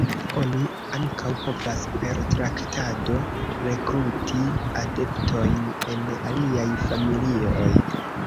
Oni ankaŭ povas per traktado rekruti adeptojn en aliaj familioj.